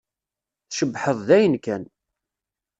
Tcebḥeḍ dayen kan!